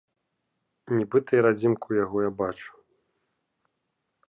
Нібыта і радзімку яго я бачу.